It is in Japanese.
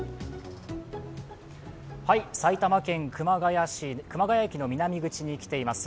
埼玉県熊谷市、熊谷駅の南口に来ています。